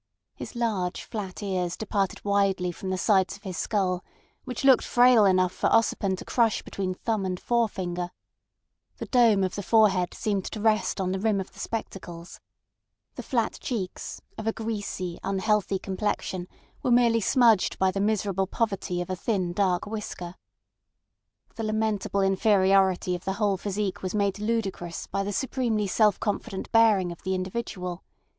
His flat, large ears departed widely from the sides of his skull, which looked frail enough for Ossipon to crush between thumb and forefinger; the dome of the forehead seemed to rest on the rim of the spectacles; the flat cheeks, of a greasy, unhealthy complexion, were merely smudged by the miserable poverty of a thin dark whisker. The lamentable inferiority of the whole physique was made ludicrous by the supremely self confident bearing of the individual.